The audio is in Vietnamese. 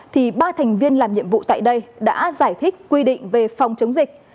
thì ba thành viên làm nhiệm vụ tại đây đã giải thích quy định về phòng chống dịch